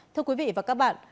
thưa quý vị và các bạn